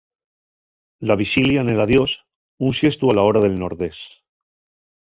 La vixilia nel adiós, un xestu a la hora del nordés.